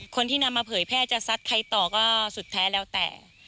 คนที่นำมาเผยแพร่จะซัดใครต่อก็สุดแท้แล้วแต่